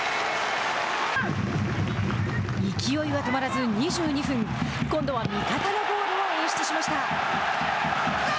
勢いは止まらず、２２分今度は味方のゴールを演出しました。